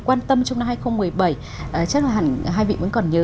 quan tâm trong năm hai nghìn một mươi bảy chắc là hai vị vẫn còn nhớ